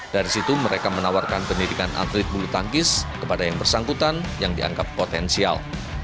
dari situ mereka menawarkan pendidikan atlet bulu tangkis kepada yang bersangkutan yang dianggap potensial